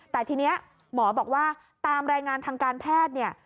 แต่ทีนี้หมอบอกว่าตามรายงานทางการแพทย์เนี่ย